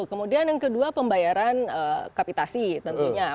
kemudian yang kedua pembayaran kapitasi tentunya